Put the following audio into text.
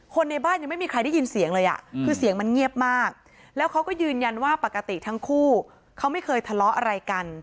ในบ้านยังไม่มีใครได้ยินเสียงเลยอ่ะคือเสียงมันเงียบมากแล้วเขาก็ยืนยันว่าปกติทั้งคู่เขาไม่เคยทะเลาะอะไรกัน